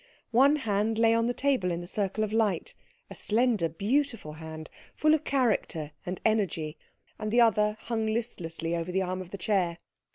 One hand lay on the table in the circle of light, a slender, beautiful hand, full of character and energy, and the other hung listlessly over the arm of the chair.